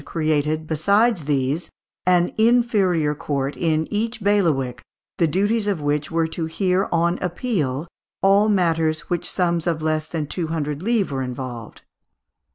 created, besides these, an inferior court in each bailiwick, the duties of which were to hear, on appeal, all matters in which sums of less than two hundred livres were involved (Fig.